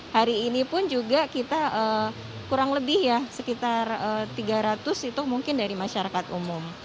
hari ini pun juga kita kurang lebih ya sekitar tiga ratus itu mungkin dari masyarakat umum